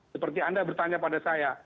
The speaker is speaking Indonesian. seperti anda bertanya pada saya